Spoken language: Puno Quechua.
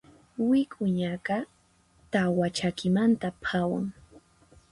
Wik'uñaqa tawa chakimanta phawan.